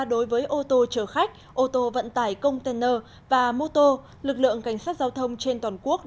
đối với ô tô chở khách ô tô vận tải container và mô tô lực lượng cảnh sát giao thông trên toàn quốc